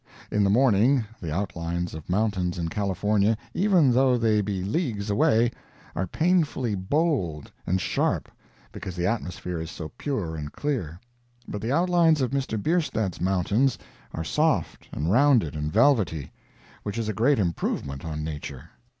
In the morning, the outlines of mountains in California, even though they be leagues away, are painfully bold and sharp, because the atmosphere is so pure and clear—but the outlines of Mr. Bierstadt's mountains are soft and rounded and velvety, which is a great improvement on nature.